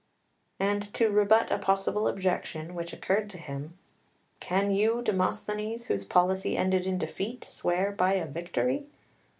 ] 4 And to rebut a possible objection which occurred to him "Can you, Demosthenes, whose policy ended in defeat, swear by a victory?"